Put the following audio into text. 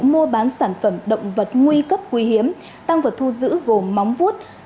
mua bán sản phẩm động vật nguy cấp quý hiếm tăng vật thu giữ gồm móng vút